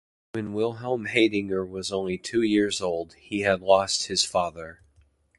When Wilhelm Haidinger was only two years old, he had lost his father.